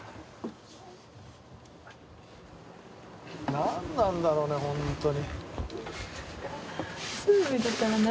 「なんなんだろうね本当に」